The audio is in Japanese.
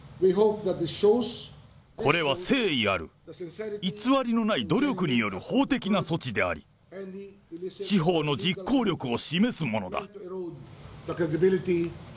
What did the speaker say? これは誠意ある、偽りのない努力による法的な措置であり、司法の実効力を示すものだ。